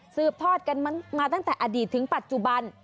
ทอดกันมาตั้งแต่อดีตถึงปัจจุบัน